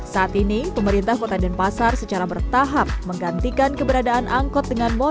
saat ini pemerintah kota denpasar secara bertahap menggantikan keberadaan angkot dengan mobil